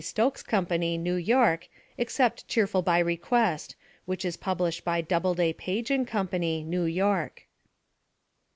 Stokes Company, New York, except Cheerful By Request, which is pub lished by Doubleday, Page & Company, New York.